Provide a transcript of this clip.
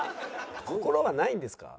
「心はないんですか？」。